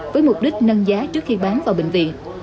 với mục đích nâng giá trước khi bán vào bệnh viện